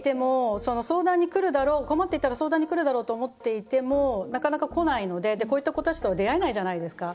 困っていたら相談に来るだろうと思っていてもなかなか来ないのでこういった子たちとは出会えないじゃないですか。